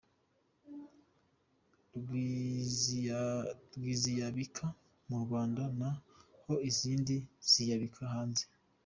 rw’ ziyabika mu Rwanda na ho izindi ziyabika hanze.